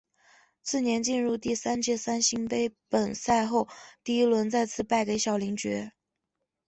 次年进入第三届三星杯本赛后第一轮再次败给小林觉。